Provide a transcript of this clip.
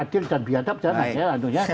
adil dan beradab jangan ada yang anunya